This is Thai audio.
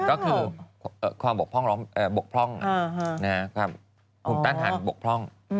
ก็คือความบกพร่องอ่าบกพร่องหุมตั้งฐานบกพร่อง